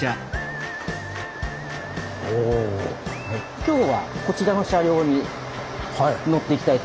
今日はこちらの車両に乗っていきたいと。